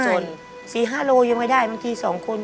ใช่สี่ห้าโลยังไม่ได้เมื่อกี้สองคน